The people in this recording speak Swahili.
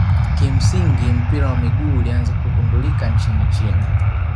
kimsingi mpira wa miguu ulianza kugundulika nchini china